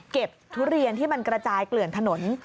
ทุเรียนที่มันกระจายเกลื่อนถนน